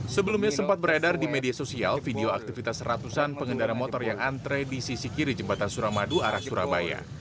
sebelumnya sempat beredar di media sosial video aktivitas ratusan pengendara motor yang antre di sisi kiri jembatan suramadu arah surabaya